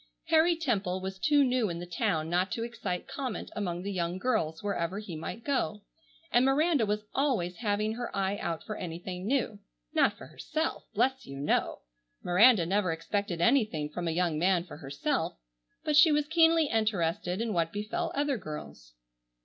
Harry Temple was too new in the town not to excite comment among the young girls wherever he might go, and Miranda was always having her eye out for anything new. Not for herself! Bless you! no! Miranda never expected anything from a young man for herself, but she was keenly interested in what befell other girls.